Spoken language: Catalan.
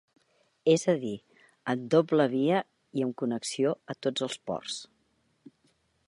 És a dir, amb doble via i amb connexió a tots els ports.